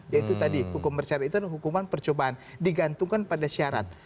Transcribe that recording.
yaitu tadi hukum bersyarat itu hukuman percobaan digantungkan pada syarat